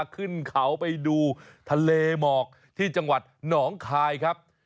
ขึ้นเขาไปดูทะเลหมอกที่จังหวัดหนองคายครับ